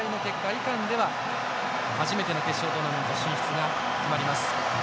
いかんでは初めての決勝トーナメント進出が決まります。